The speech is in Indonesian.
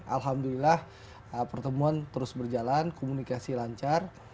alhamdulillah pertemuan terus berjalan komunikasi lancar